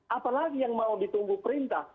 apa lagi yang mau ditunggu perintah